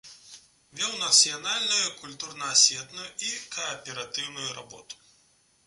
Вёў нацыянальную, культурна-асветную і кааператыўную работу.